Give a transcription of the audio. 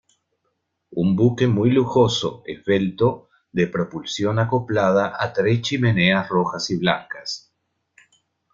Un buque muy lujoso, esbelto, de propulsión acoplada a tres chimeneas rojas y blancas.